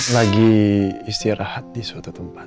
lagi istirahat di suatu tempat